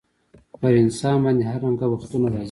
پر انسان باندي هر رنګه وختونه راځي.